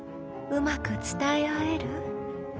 うまく伝え合える？